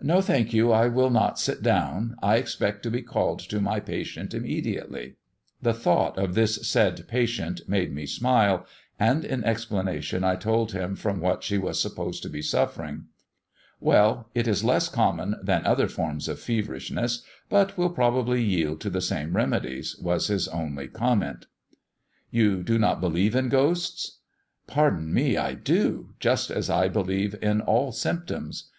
"No, thank you, I will not sit down; I expect to be called to my patient immediately." The thought of this said patient made me smile, and in explanation I told him from what she was supposed to be suffering. "Well; it is less common than other forms of feverishness, but will probably yield to the same remedies," was his only comment. "You do not believe in ghosts?" "Pardon me, I do, just as I believe in all symptoms.